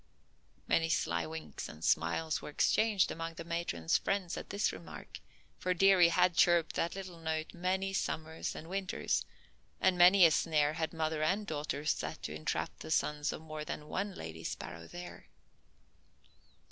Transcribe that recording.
Many sly winks and smiles were exchanged among the matron's friends at this remark, for "dearie" had chirped that little note many summers and winters, and many a snare had mother and daughter set to entrap the sons of more than one lady sparrow there.